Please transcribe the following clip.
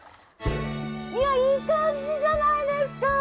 いやいい感じじゃないですか！